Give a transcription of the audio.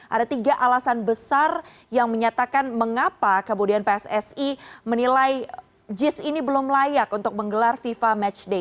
ada tiga alasan besar yang menyatakan mengapa kemudian pssi menilai jis ini belum layak untuk menggelar fifa matchday